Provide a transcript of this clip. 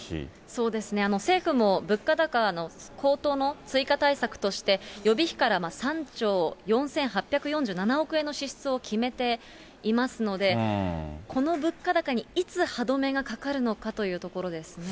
そうですね、政府も物価高の、高騰の追加対策として、予備費から３兆４８４７億円の支出を決めていますので、この物価高にいつ歯止めがかかるのかというところですね。